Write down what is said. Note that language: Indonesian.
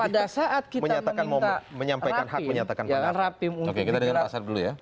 menyatakan hak menyatakan pendapat